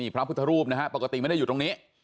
พระพุทธรูปนะฮะปกติไม่ได้อยู่ตรงนี้